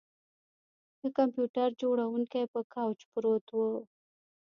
د کمپیوټر جوړونکی په کوچ پروت و